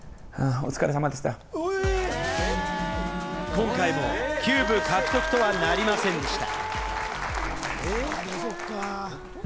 今回もキューブ獲得とはなりませんでした。